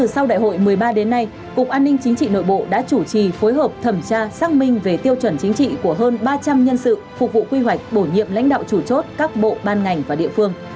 sau đại hội một mươi ba đến nay cục an ninh chính trị nội bộ đã chủ trì phối hợp thẩm tra xác minh về tiêu chuẩn chính trị của hơn ba trăm linh nhân sự phục vụ quy hoạch bổ nhiệm lãnh đạo chủ chốt các bộ ban ngành và địa phương